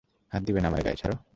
হাত দিবে না আমার গায়ে, ছাড়ো।